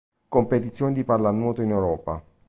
Competizioni di pallanuoto in Europa